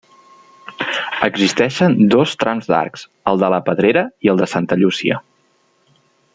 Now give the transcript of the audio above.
Existeixen dos trams d'arcs, el de la Pedrera i el de Santa Llúcia.